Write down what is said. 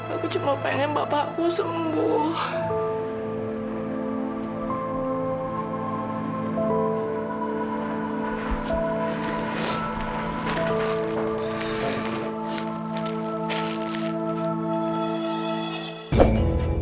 aku cuma pengen papa aku sembuh